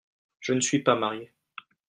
Je ne suis pas marié.